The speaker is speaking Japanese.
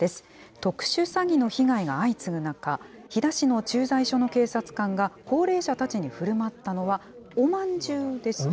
特殊詐欺の被害が相次ぐ中、飛騨市の駐在所の警察官が高齢者たちにふるまったのは、おまんじゅうです。